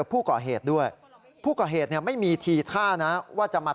ผู้ก่อเหตุด้วยผู้ก่อเหตุเนี่ยไม่มีทีท่านะว่าจะมา